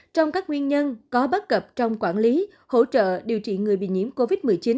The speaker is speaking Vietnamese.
trong các nguyên nhân có bất cập trong quản lý hỗ trợ điều trị người bị nhiễm covid một mươi chín